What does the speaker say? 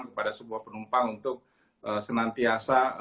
kepada sebuah penumpang untuk senantiasa